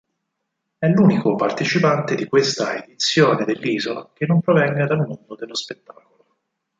È l'unico partecipante di questa edizione dell'Isola che non provenga dal mondo dello spettacolo.